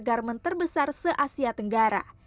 garment terbesar se asia tenggara